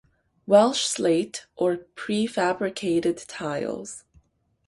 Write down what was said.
Welsh slate or prefabricated tiles.